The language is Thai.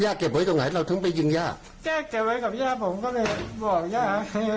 เก็บไว้ตรงไหนเราถึงไปยิงย่าย่าเก็บไว้กับย่าผมก็เลยบอกย่า